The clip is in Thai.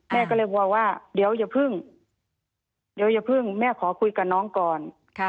แม่ก็เลยบอกว่าเดี๋ยวอย่าพึ่งแม่ขอคุยกับน้องก่อน